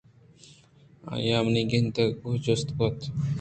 آئیءَ منی گندگ ءَ گوں جست کُت